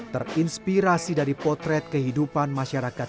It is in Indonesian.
terinspirasi dari potret kehidupan masyarakat